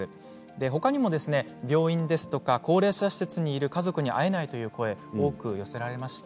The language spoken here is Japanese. ほかにも病院ですとか高齢者施設にいる家族に会えないという声、多く寄せられました。